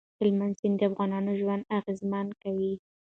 هلمند سیند د افغانانو ژوند اغېزمن کوي.